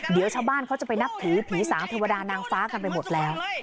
เดี๋ยวชาวบ้านเขาจะไปนับถือผีสางเทวดานางฟ้ากันไปหมดแล้ว